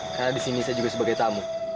karena disini saya juga sebagai tamu